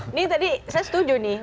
ini tadi saya setuju nih